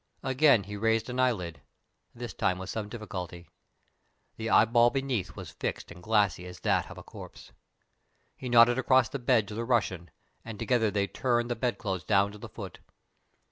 Again he raised an eyelid, this time with some difficulty. The eyeball beneath was fixed and glassy as that of a corpse. He nodded across the bed to the Russian, and together they turned the bedclothes down to the foot.